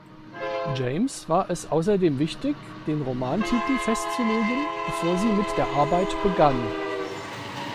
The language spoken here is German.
James war es außerdem wichtig, den Romantitel festzulegen, bevor sie mit der Arbeit begann.